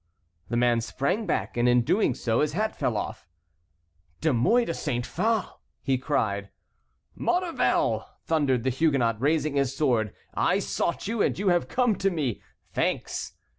The man sprang back, and in doing so his hat fell off. "De Mouy de Saint Phale!" he cried. "Maurevel!" thundered the Huguenot, raising his sword. "I sought you, and you have come to me. Thanks!"